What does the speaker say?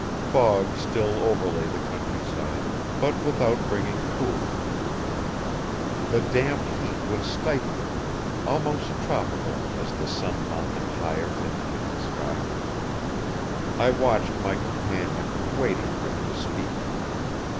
Fog still overlay the countryside, but without bringing coolness. The damp heat was stifling, almost tropical as the sun mounted higher in the hidden sky. I watched my companion, waiting for him to speak.